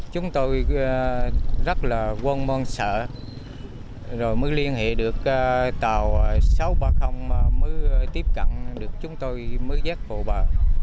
chúng tôi rất là quân mong sợ rồi mới liên hệ được tàu sáu trăm ba mươi mới tiếp cận được chúng tôi mới dắt bộ bờ